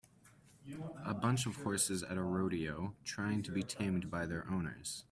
A bunch of horses at a rodeo, trying to be tamed by their owners.